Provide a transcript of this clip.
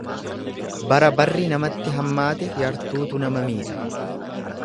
Bara barri namatti hammaate yartuutu nama miidha.